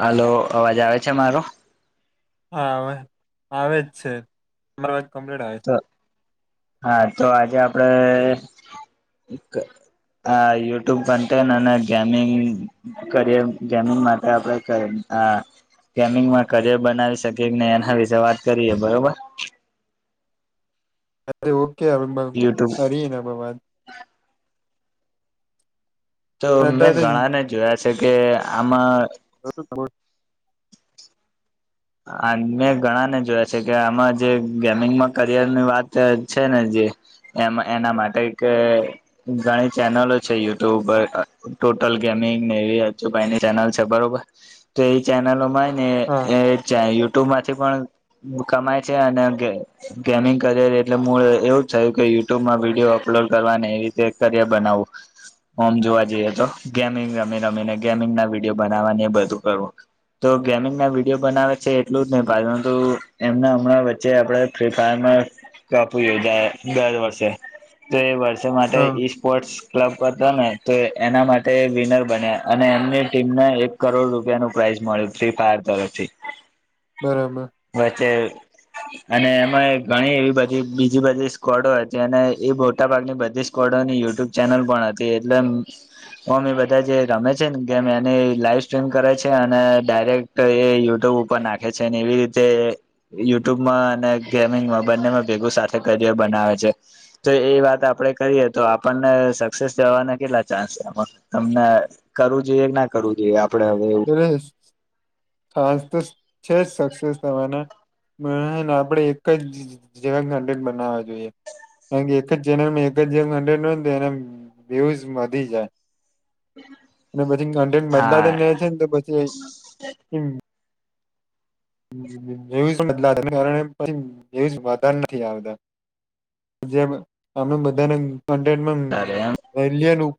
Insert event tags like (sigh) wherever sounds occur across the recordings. હાલો અવાજ આવે છે મારો હા આવે આવે જ છે અરા વાત કમ્પ્લીટ આવે છે. તો હા તો આજે આપડે. હ યુટ્યુબ બનને અને ગેમિંગ કરિય ગેમિંગ માટે આપડે કરી. આ. ગમિંગમાં કરિયર બનાવી શકી કે ને એના વિશેે વાત કરીએ બરોબર. અરે ઓકે અબ યુટ્યુબ અરી ન ભવાદ. તો અને મેં ઘણાને અત્યારે જોયા છે કે આમાં. બ તમા મેં ઘણા ને જોયા છે કે આમાં જે ગેમિંગમાં કરિયર ની વાત છે ને. એના માટે કે ઘણી ચેનલો છે યુટ્યુબ હોટલ ગેમિંગ એવીાઈની ચેનલ છે બરોબર તો એ ચેનલોમાં ને. હા યુટ્યુબમાંથી પણ કમાય છે અને ગેમિંગ કરિયર એટલે મૂળ એવું જ છે યુટ્યુબમાં વિડીયો અપલોડ કરવાને એવી રીતે કરયર બનાવવું હોમ જોવા જઈએ તો ગેમિંગ રમી રમીને ગેમિંગ ના વિડીિયો બનાવવાની એ બધું કરવું તો ગેમિંગ ના વિડીયો બનાવે એટલું જ નહીંતુ એમના હમણાં વચ્ચે આપડ ફ્રી ફાયરમાં કપ યોજાય દર વર્ષે તો એ વર્ષે માટે હા ઈ સ્પોર્ટસ ક્લબ કરતો ને તો એના માટે વિનર બન્યા અને એમની ટીમને એક કરોડ રૂપિયા ન પ્રઇસ મળ ફ્રી ફાયર તરફથી બરાબર વચ્ચે અને એમાં ઘણી એવી બધી બીજી બધી સ્કોવડો હતી અને એ મોોટા ભાગની બધી કોડની યુટ્યુબ ચેનલ પણ હતી એટલે ઓમ બધા જે રમે છે ને કેમ એની લાઈવ સ્ટ્રીમ કરે છે અને ડાયરેક્ટ એ યુટ્યુબર નાખે છે એવી રીતે યુટ્યુબમાં અને ગેમિંગમાં બંનેમાં ભેગું સાથે કરિયર બ છે તો એ વાત આપે કરીએ તો આપણને સક્સેસ જવાના કેટલા ચાન્સ આપ તમને કરવું જોઈએ કે ના કરવું જોઈએ આપ એ ખાસ તો છે જ સક્સેસ તમાના આપણેે એક જ જવાડ બનાવવા જોઈએ કારણ કે એક જ ચેનલમાં એક જ અ ન હોને તો એના વ્યુઝ વધી જાય અને પછી કન્ટેન્ટ બદલાતા હા છે ને તો પછીમ એવી બદલાછ એવી વધા નથી આવતા જે અમે બધાને અરે એમ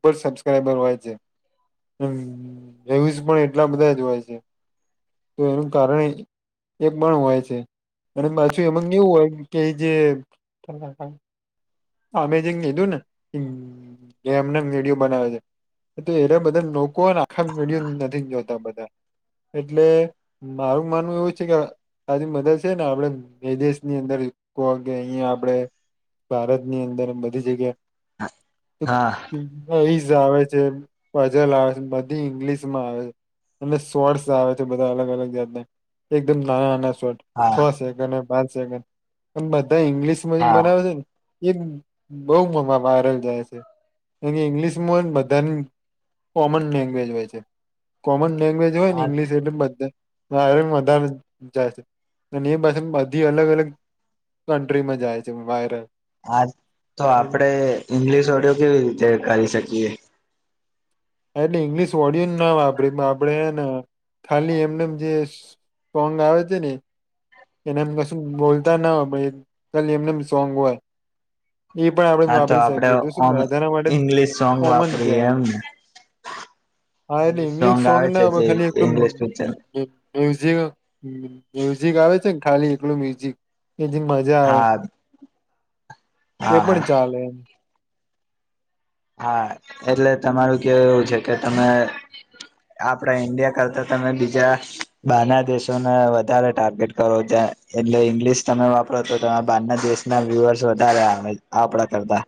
ક સબસ્ક્રાઈબર હોય છે ર્યુઝ પણ એટલા બધા જ હોય છે તો એનું કારણ એક પણ હોય છે અને પાછું એમ એવું હોય કે જે અમેજિંગ લીધું ને ગેમને વિડીિયો બનાવે છે એ એરા બધા નો કો આખા મડ નથી જોતા બધા એટલે મારું માનવું એવું કે તારી મદદ છે ને આપડે વિદેશની અંદર કો કે અહીિયાં આપડણે ભારત ની અંદર એ બધી હા જગ્યા આવે છે પજલ આવે છે બધી ઇંગ્લિશ માં આવે છે અને સોર્સ આવે છે બધા અલગ અલગ જાતને એકદમ નાના નાના શોટ હા છ સેકન્ડ પાંચ સેકન્ડ બ ઇંગ્લિશમાં હા બનાવે છે ને એ બહુમાં વાયરલ જાય છે એ ઈંગ્લિશમાં બધાની કોમન લેંગ્વેજ હોય છે કોમન લેંગ્વેજ હોય ને આ ઇંગ્લિશ એટલે બધા જાય છે અને એ પાસે બધી અલગ અલગ કન્ટ્રીમાં જાય છે વાયરલ આ તો આપડે ઇંગ્લિશ ઓડિયો કેવી રીતે કરી શકીએ એટલે ઇંગ્લિશ ઓડિયોન ના વાપરી આપણેેને ખાલી એમને જે કોંગા હો છે ન એને એમ કશું બોલતા ના હોય પણ કાલી એમને સોંગ હોય એ પણ આપણેે હા તો વાપરી આપડે શકીએ તો શું ઓમ વધાર માટે ઈંગ્લિશ સોંગ કોમન વાપરીએ કેહેવાય એમને (inaudible) હા એટલે ઇંગ્લિશ સોંગ આવે ને છે જે ખાલી ઇંગ્લિશ પિક્ચર એક મ્યુઝિક આવે છે ને ખાલી એકલું મ્યુઝિક એજ મજા આવે હા એ હા હા પણ ચાલે એમ હા એટલે તમારું કે એવું છે કે તમે આપડા ઈન્ડિયા કરતા તમે બીજા બાના દેશોને વધારે ટાર્ગેટ કરો ત એટલે ઈંગ્લિશ તમે વાપરો તોરા બારના દેશના વ્યુઅર્સ વધારે આપડા કરતા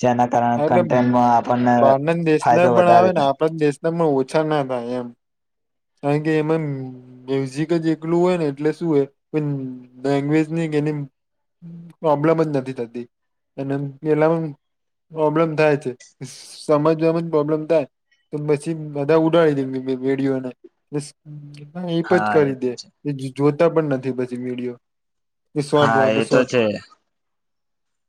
જેના કારણે એટલે કન્ટેન્ટમાં આપણને બારના દેશ ના ફાયદો પણ વધારે આવે ને થાય આપણા દેશ તમને ઓછા ના થાય એમ કારણ કે એમાં મ્યુઝિક જ એટલું હોય ને એટલે શું હોય પણ લેંગ્વેજ પ્રોબ્લેમ જ નથી થતી અને પેલા પ્રોબ્લેમ થાય છે સમજજ પ્રોબ્લેમ થાય તો પછી બધા ઉડાડી દે વેડીઓને પ હ એ પણ જ હા એ કરી દે તો છે જોતા પણ નથી પછી વિડીિયો રિસોર્ટ હા બહ એ તો રિસોર્ટ છે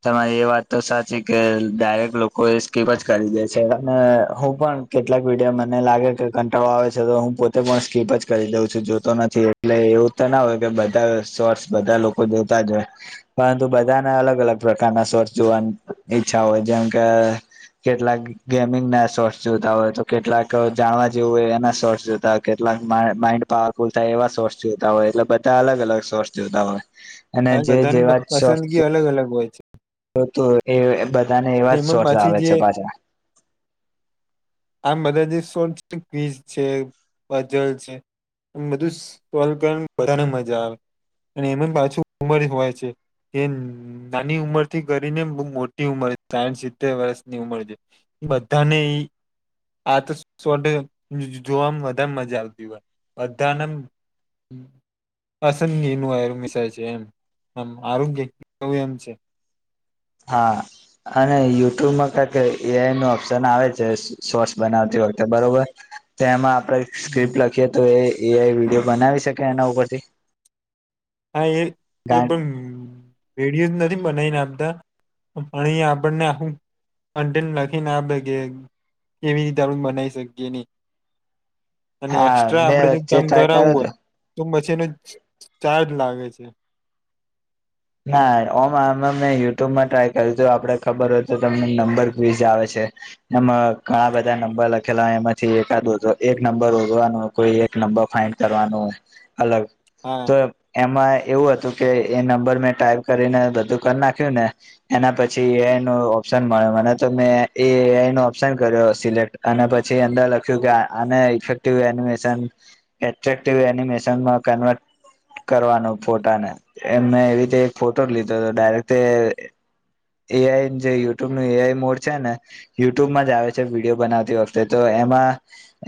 તમારી એ વાત તો સાચી કે ડાયરેક્ટ લોકો એ સ્કીપ જ કરી દે છે અને હું પણ કેટલાક વિીડિયા મને લાગે કે કંટાળો આવે છે તો હું પોતે પણ સ્કીપ જ કરી દઉં છું જોતો નથી એટલે એવું તો ના હોય કે બધા સોર્સ બધા લોકો જોતા જ હોય પરંતુ બધા ના અલગ અલગ પ્રકારના સ્વર્ જોવાની ઈચ્છા હોય જેમ કે કેટલાક ગેમિંગ ના સોર્ટ્સ જોતા હોય તો કેટલાક જાણવા જેવું હોય એના સોર્ટ્સ જોતા હોય કેટલા માઇન્ડ પાવરફુલ થાય એવા સોર્સ જોતા હોય એટલે બધા અલગ અલગ સોર્સ જોતા હોય અને હ જે બધાની પસંદગી અલગ અલગ હોય છે તો તો એ બધાને એવા જ એમાં સોર્સ પાછી આવે જે છે પાછા આમ બધા જે સો છે વજ છેજલ છે બધું સોલ્વ કરને વધધાને મજા આવે અને એમ પાછું ઉમર હોય છે એ નાની ઉંમર થી કરીને બ મોટી ઉંમર સાઠ સિત્તેર વર્ષની ઉંમર છે એ બધાને આ તો સોડ જોવામાં વધારે મજા આવતી હોય બધાને હમ પસંદગી નરું મસાય છે એમ આમ આરોગ્ય કેવું એમ છે હા અને યુટ્યુબમાં કક એ ન ઓપ્શન આવે છે સોસ બનાવતી વખતે બરોબર તો એમાં આપણે સ્ક્રિપ્ટ લખીએ તો એ એ વિડીયો બનાવી શકે એના ઉપરથી હા એ એ પણ રેડિયો જ નથી બનાવીને આપતા અહિ આપણને આું અંતેન લખી ના આપે કે કેવી રીતે આપણે બનાવી શકીએ નહી અને હા એક્સ્ટ્રા બે આપડે જો વચ્ચે કામ ટ્રાય કર્યો કરાવવું હતો હોય તો છેને ચાર્જ લાગે છે ના ઓમ આમે મેં યુટુબમાં ટ્રાય કર્યું હતું આપડે ખબર હોય તો તમને નંબર ક્વીઝ આવે છે એમાં ઘણા બધા નંબર લખેલા એમાંથી એકદ એક નંબર ઉગવાનો કો ન કરવાનું અલગ હા તો એમાં એવું હતું કે એ નંબર મે ટાઈપ કરીને બધું કરી નાખ્યું ને એના પછી એ ન ઓપ્શન મળ્યું મને તો મે ન ઓપ્શન કર્યો સિલેક્ટ અને પછી અંદર લખ્યું કે આ ઇફેક્ટિવ એનિમેશન એટ્રેક્ટિવ એનિમેશનમાં કન્વર્ટ કરવાનું ફોટાને એને એવીતે ફોટો જ લીધો હતો ડાયરેક્ટ એ આઈ જે યુટ્યુબ નું એ આઈ મોડ છે ને યુટ્યુબમાં જ આવે છે વિડીયો બનાવતી વખતે તો એમાં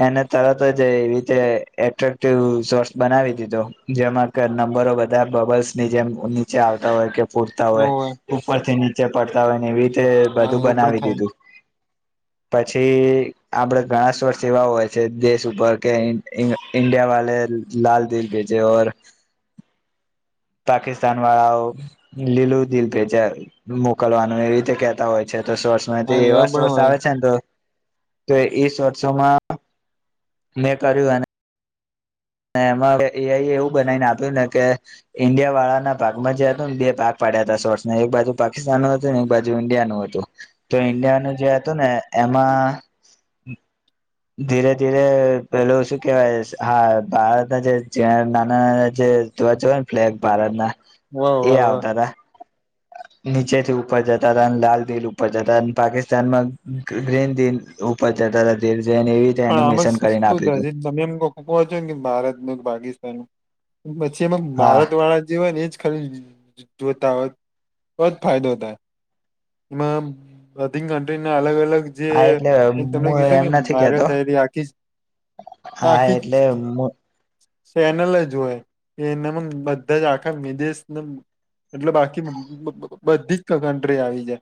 એને તરત જ એવી રીતે એટ્રેક્ટિવ સોર્સ બનાવી દીધો એમાં ક નંબરો બધા બબલ્સ ની જેમ નીચે આવતા હોય કે પૂરતા હોય હોવે ઉપરથી નીચે પડતા હોય ને એવી રીતે હા બધું એવું પણ બનાવી થાય દીધું (inaudible) પછી આપડે ઘણાસ્ વર્ષ એવા હોય છે દેશ ઉપર કે ઇન ઈન ઈન્ડિયા વાલે લાલ દિલ ભજે ઔર (inaudible) પાકિસ્તાન વાળાઓ લીલું દિલ ભેજા મોકલવાનું એ રીતે કેતા હોય છે સોર્સમાં હા એવા પણ સોર્સ હોય આવે છે ન તો તો ઈસ વર્ષોમાં મેં કર્યુ અને એમાં એ આઇ એવું બનાવીને આપ્યું ને કે ઈન્ડિયા વાળા ના ભાગમાં જે હતું ને બે ભાગ પડ્યા દસ વર્ષ ના એક બાજુ પાકિસ્તાન ન હતુંને એક બાજુ ઈન્ડિયા નું હતું તો ઈન્ડિયાનું જે હતું ને એ માઁ. ધીરે, ધીરે પેલું શું કેવાય હા ભારતના જે નાના નાના જે. જોવા જો ને ફ્લેગ ભારત ના. વાહ વાહ વાહ. નીચેથી ઉપર જતા હતા અને લાલ દિલ ઉપર જતા અને પાકિસ્તાન માં ગ્રીન દિલ ઉપર જતાતા દિલ. જઈને એવી રીતે પણ આમાં એનિમેશન શ કરીને આપ્યું હતું શજી તમે એમ કો કોવા છો ને ભારતનું કે પાકિસ્તાનનું. પછી એમાં હા ભારત વાળા જે હોય ને. એજ ખાલી જોતા હોત. તોજ ફાયદો થાય એમાં બધી કન્ટ્રીના અલગ અલગ. જે હા એટલે હું મં તને કીધું એમ કે નથી ભા રે. કેતો થ આખી હા આખી. એટલે ચેનલ અજોય કે એનામાં બધા જ આખા વિદેશ એટલે બાકી બધીજ કન્ટ્રી આવી જાય.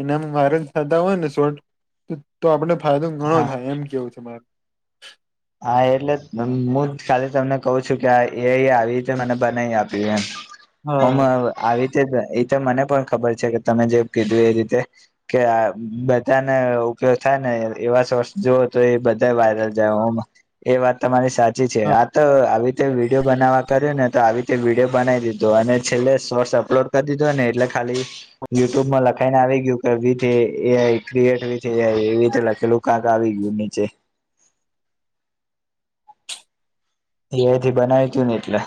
એનામાં મારે જ થતા હોય ને શોટ તો આપડ ફાયદો ઘણો હા થાય એમ કેવું છે મારે. હા એટલે હું ખાલી તમને કહું છું. કે એ આઇ આવી રીતે મને બનાવી આપ્યું એમ. હા હમ હા. આવી. એ તો મને પણ ખબર છે. કે તમે જે કીધું એ રીતે. કે આ બધાને ઉપયોગ થાય ને એવા સોર્સ જોઓ તો એ બધા વાયરલ થાયમ. એ વાત તમારી સાચી છે. આ તો આવી રીતે વિડીયો બનાવવા કર્યુ ને તો આવી રીતે વિડીયો બનાવી દીધ અને છેલ્લે સોર્સ અપલોડ કરી દીધો ને. એટલે ખાલી યુટ્યુબમાં લખાઈ ન. આવી ગયું કે A I create with A I એવી રીતે લખેલું કાંક આવી ગયું નીચે. (inaudible) એ એથી બનાવી કયુંન ને એટલે.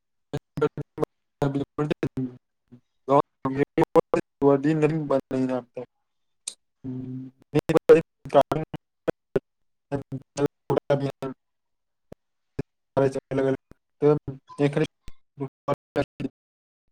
(unintelligible) (unintelligible) (unintelligible) (unintelligible) (unintelligible)